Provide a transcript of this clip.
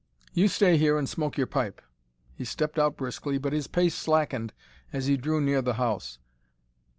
"You stay here and smoke your pipe." He stepped out briskly, but his pace slackened as he drew near the house.